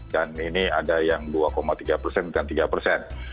dan ini ada yang dua tiga persen bukan tiga persen